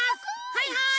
はいはい。